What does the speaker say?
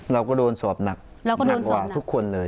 เราก็โดนสอบหนักหนักกว่าทุกคนเลย